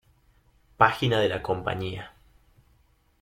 Página de la compañía